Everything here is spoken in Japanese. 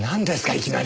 いきなり。